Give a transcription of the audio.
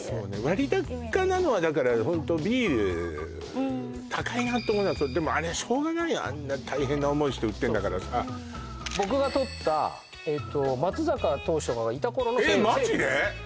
割高なのはだからホントビール高いなと思うのはそれでもあれはしょうがないのあんな大変な思いして売ってんだからさ僕が撮った松坂投手とかがいた頃の西武えっマジで！？